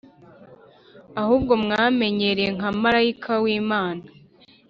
ahubwo mwanyemeye nka marayika w Imana